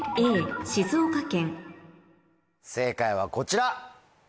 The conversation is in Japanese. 正解はこちら！